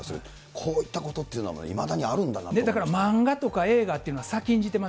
こういったことというのは、だから漫画とか映画っていうのは、先んじてます。